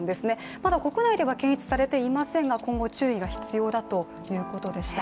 まだ国内では検出されていませんが今後、注意が必要だということでした。